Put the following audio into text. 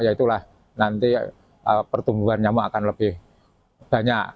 ya itulah nanti pertumbuhan nyamuk akan lebih banyak